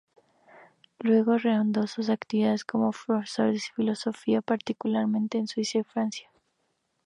Luego, reanudó sus actividades como profesor de filosofía, particularmente en Suiza y Francia.